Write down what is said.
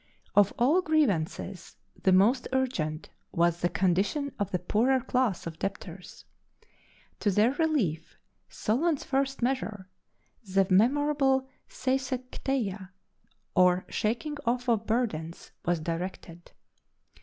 Of all grievances, the most urgent was the condition of the poorer class of debtors. To their relief Solon's first measure, the memorable Seisachtheia, or shaking off of burdens, was directed.